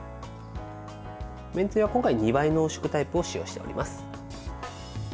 めんつゆは今回２倍濃縮タイプを使用しています。